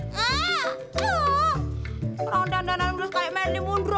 kalau dandan dandan bersekali kali ini mundur